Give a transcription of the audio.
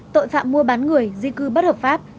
tội phạm mua bán người di cư bất hợp pháp